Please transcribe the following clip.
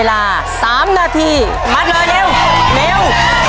เร็ว